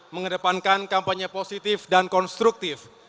mengedepankan kampanye positif dan konstruktif